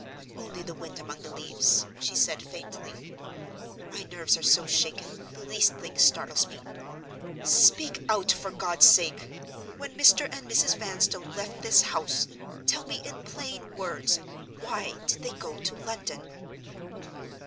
"Only the wind among the leaves," she said, faintly. "My nerves are so shaken, the least thing startles me. Speak out, for God's sake! When Mr. and Mrs. Vanstone left this house, tell me in plain words, why did they go to London?"